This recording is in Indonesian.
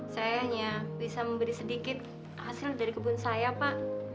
sayangnya bisa memberi sedikit hasil dari kebun saya pak